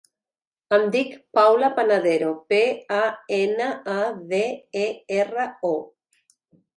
Em dic Paula Panadero: pe, a, ena, a, de, e, erra, o.